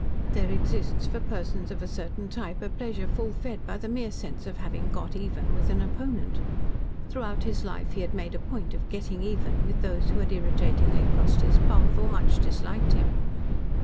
There exists for persons of a certain type a pleasure full fed by the mere sense of having "got even" with an opponent. Throughout his life he had made a point of "getting even" with those who had irritatingly crossed his path, or much disliked him.